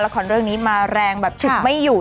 เรื่องนี้มาแรงแบบฉุดไม่อยู่